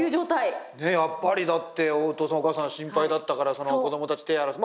やっぱりだってお父さんお母さん心配だったから子どもたち手洗わせて。